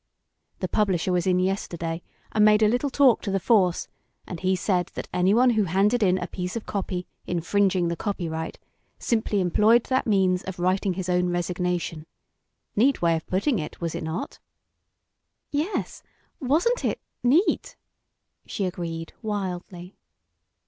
The publisher was in yesterday and made a little talk to the force, and he said that any one who handed in a piece of copy infringing the copyright simply employed that means of writing his own resignation. Neat way of putting it, was it not?" "Yes, wasn't it neat?" she agreed, wildly.